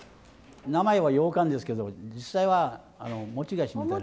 名前はようかんですけど実際は餅菓子みたいな。